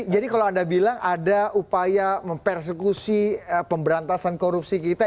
jadi kalau anda bilang ada upaya mempersekusi pemberantasan korupsi kita